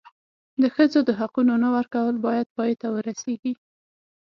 د ښځو د حقونو نه ورکول باید پای ته ورسېږي.